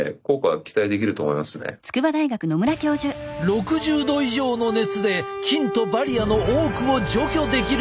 ６０℃以上の熱で菌とバリアの多くを除去できるという。